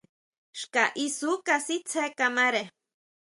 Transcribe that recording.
Xka isú kasitsé kamare.